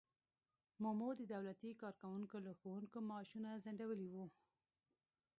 مومو د دولتي کارکوونکو او ښوونکو معاشونه ځنډولي وو.